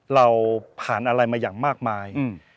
เราผ่านอะไรมาอย่างมากมาย